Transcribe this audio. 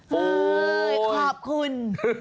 เฮ้ยขอบคุณ